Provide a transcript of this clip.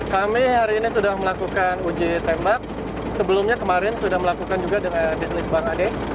kami hari ini sudah melakukan uji tembak sebelumnya kemarin sudah melakukan juga dengan dislik bang ade